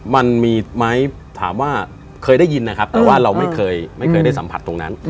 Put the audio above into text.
มันมีไหมถามว่าเคยได้ยินนะครับแต่ว่าเราไม่เคยได้สัมผัสตรงนั้น